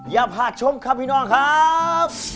อย่าพาชมค่ะพี่น้องครับ